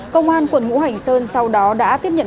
công an quận ngũ hành sơn sau đó đã tiếp nhận